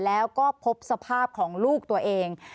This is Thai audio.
แล้วก็พบสภาพของลูกตัวเอง